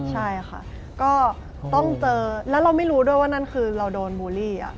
ใช่ค่ะก็ต้องเจอแล้วเราไม่รู้ด้วยว่านั่นคือเราโดนบูลลี่